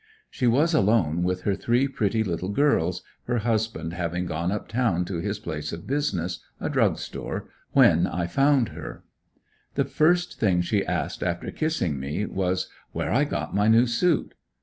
She was alone with her three pretty little girls, her husband having gone up town to his place of business a drug store when I found her. The first thing she asked after kissing me, was, where I got my new suit?